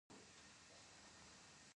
د ميډيکل کنسلټنټ پۀ حېث کار اوکړو ۔